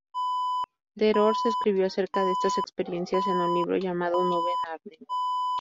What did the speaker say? Ter Horst escribió acerca de estas experiencias en un libro llamado "Nube en Arnhem".